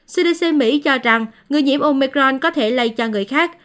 cdc mỹ cho rằng người nhiễm omicron có thể lây cho người khác